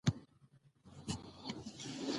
بيا هم په جګو سترګو د کور او کلي مشري کوي